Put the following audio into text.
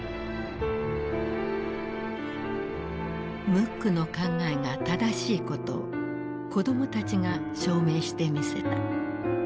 ムックの考えが正しいことを子供たちが証明してみせた。